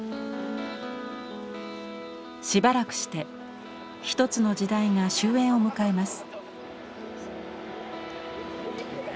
しばらくして一つの時代が終焉を迎えます。